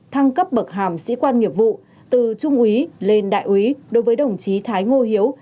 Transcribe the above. thăng cấp bậc hàm sĩ quan nghiệp vụ từ trung úy lên đại úy đối với đồng chí thái ngô hiếu